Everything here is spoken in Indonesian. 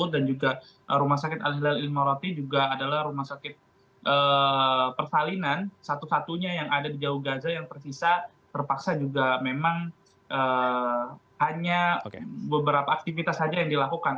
juga rumah sakit al hilal ilmarati juga adalah rumah sakit persalinan satu satunya yang ada di jauh gaza yang tersisa terpaksa juga memang hanya beberapa aktivitas saja yang dilakukan